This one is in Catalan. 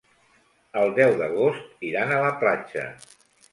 El deu d'agost iran a la platja.